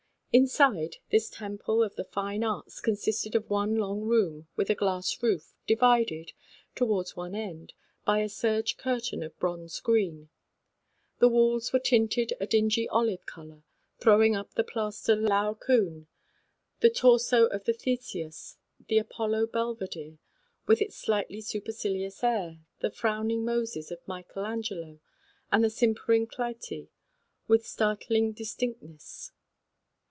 Inside this temple of the fine arts consisted of one long room with a glass roof, divided, toward one end, by a dingy serge curtain of bronze green. The walls, too, were tinted a dubious olive colour, throwing up the plaster Venus of Milo, the Laocoon, and the torso of the Theseus. There, too, was the Apollo Belvedere, with its slightly supercilious air, the frowning Moses of Michael Angelo, and the simpering Clytie, with startling distinct ness.